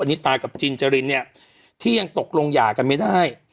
นิตากับจินจรินเนี่ยที่ยังตกลงหย่ากันไม่ได้